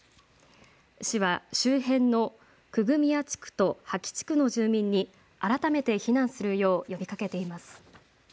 市は周辺の久喜宮地区と杷木地区の住民に改めて避難するよう呼びかけています。